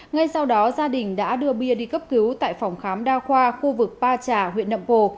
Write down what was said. ngay sau đó gia đình đã đưa bia đi cấp cứu tại phòng khám đa khoa khu vực ba trà huyện nậm pồ